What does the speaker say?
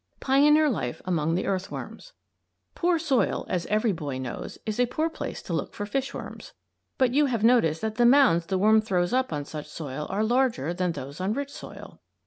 PIONEER LIFE AMONG THE EARTHWORMS Poor soil, as every boy knows, is a poor place to look for fishworms. But you have noticed that the mounds the worm throws up on such soil are larger than those on rich soil.